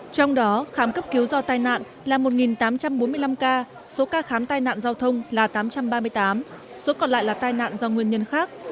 trong đó khám cấp cứu do tai nạn là một tám trăm bốn mươi năm ca số ca khám tai nạn giao thông là tám trăm ba mươi tám số còn lại là tai nạn do nguyên nhân khác